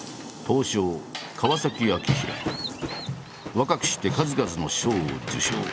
若くして数々の賞を受賞。